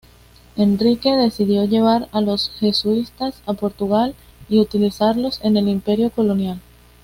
Enrique decidió llevar a los jesuitas a Portugal y utilizarlos en el imperio colonial.